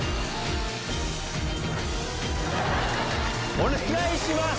お願いします！